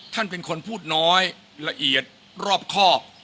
ท่านเป็นคนพูดน้อยละเอียดรอบครอบ